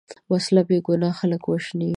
وسله بېګناه خلک وژني